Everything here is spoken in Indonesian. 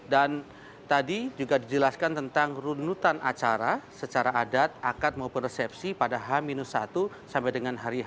dan tadi juga dijelaskan tentang runutan acara secara adat akad maupun resepsi pada h satu sampai dengan hari h